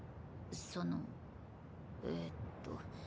そのえっと。